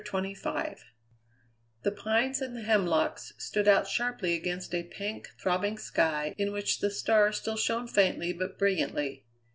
CHAPTER XXV The pines and the hemlocks stood out sharply against a pink, throbbing sky in which the stars still shone faintly but brilliantly.